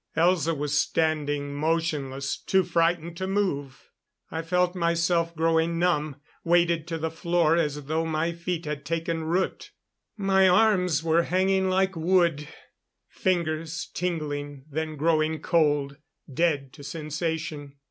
Elza was standing motionless, too frightened to move. I felt myself growing numb, weighted to the floor as though my feet had taken root. My arms were hanging like wood; fingers tingling, then growing cold, dead to sensation.